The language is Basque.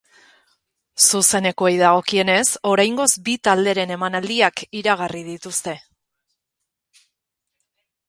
Zuzenekoei dagokienez, oraingoz bi talderen emanaldiak iragarri dituzte.